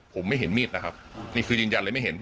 ผมไม่เห็นมีดนะครับนี่คือยืนยันเลยไม่เห็น